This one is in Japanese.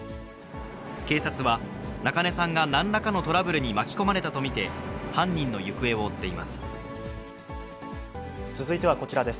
警察は、中根さんがなんらかのトラブルに巻き込まれたと見て、犯人の行方続いてはこちらです。